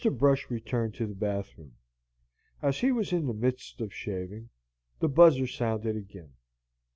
Brush returned to the bathroom. As he was in the midst of shaving, the buzzer sounded again.